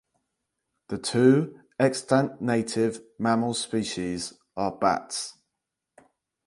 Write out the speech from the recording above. The two extant native mammal species are bats.